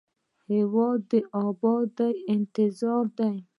هېواد د ابادۍ انتظار دی.